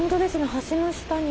橋の下に。